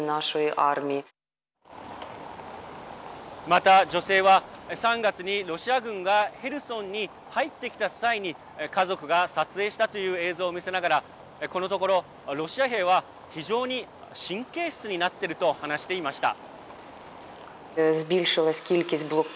また、女性は３月に、ロシア軍がヘルソンに入ってきた際に家族が撮影したという映像を見せながらこのところ、ロシア兵は非常に神経質になっていると話していました。